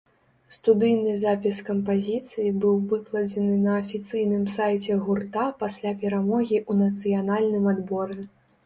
Студыйны запіс кампазіцыі быў выкладзены на афіцыйным сайце гурта пасля перамогі ў нацыянальным адборы.